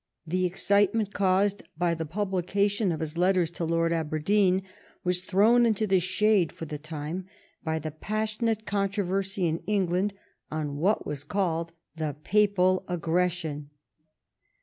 The excitement caused by the pub lication of his letters to Lord Aberdeen was thrown into the shade for the time by the passionate con troversy in England on what was called the Papal Aggression.